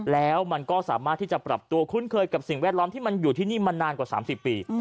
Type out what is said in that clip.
แล้วมันก็สามารถที่จะปรับตัวคุ้นเคยกับสิ่งแวดล้อมที่มันอยู่ที่นี่มานานกว่า๓๐ปี